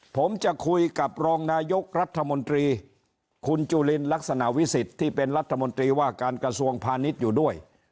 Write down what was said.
ผมจะคุยกับรองนายกรัฐมนตรีคุณจุลินลักษณะวิสิทธิ์ที่เป็นรัฐมนตรีว่าการกระทรวงพาณิชย์อยู่ด้วย